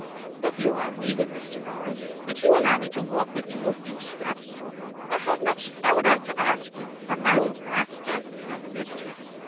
"If you are leaving, Mr. Norris, would you allow me to walk with you a few steps? I have much I would like to ask you of my old master and mistress."